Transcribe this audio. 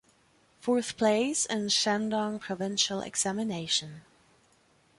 Fourth place in Shandong provincial examination.